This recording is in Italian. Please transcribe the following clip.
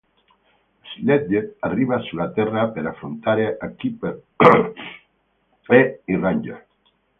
Sledge arriva sulla terra per affrontare Keeper e i Ranger.